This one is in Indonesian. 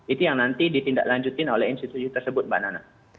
itu yang nanti ditindaklanjutin oleh institusi tersebut mbak nana